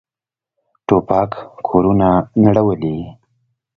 توپک کورونه نړولي.